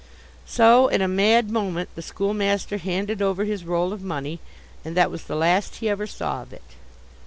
So, in a mad moment, the schoolmaster handed over his roll of money, and that was the last he ever saw of it.